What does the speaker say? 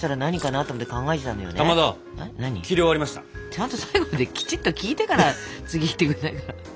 ちゃんと最後まできちっと聞いてから次行ってくんないかな？